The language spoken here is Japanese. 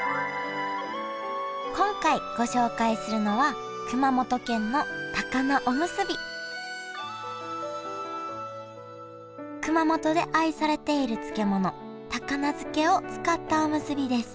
今回ご紹介するのは熊本で愛されている漬物高菜漬けを使ったおむすびです。